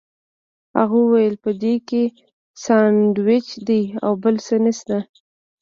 هغه وویل په دې کې ساندوېچ دي او بل څه نشته.